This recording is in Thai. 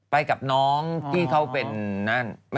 ไปกับน้องที่เขาเป็นนั่น